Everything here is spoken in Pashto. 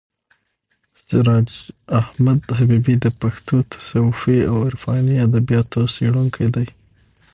سراج احمد حبیبي د پښتو تصوفي او عرفاني ادبیاتو څېړونکی دی.